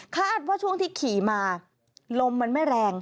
คาดว่าช่วงที่ขี่มาลมมันไม่แรง